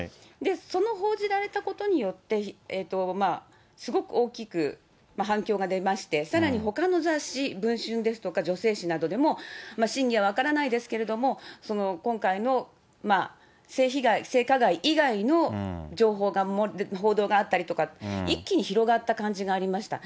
その報じられたことによって、すごく大きく反響が出まして、さらにほかの雑誌、文春ですとか女性誌などでも、真偽は分からないですけれども、今回の性被害、性加害以外の情報が、報道があったりとか、一気に広がった感じがありました。